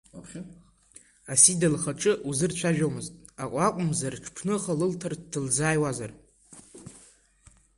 Асида лхаҿы узырцәажәомызт акәымзар, ҽԥныҳәа лылҭарц дылзааиуазар?